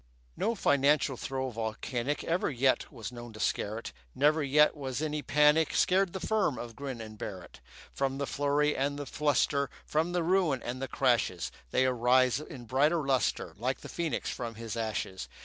No financial throe volcanic Ever yet was known to scare it; Never yet was any panic Scared the firm of Grin and Barrett. From the flurry and the fluster, From the ruin and the crashes, They arise in brighter lustre, Like the phoenix from his ashes.